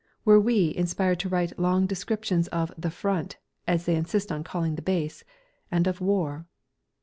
Were we inspired to write long descriptions of "The Front" as they insist on calling the Base and of War?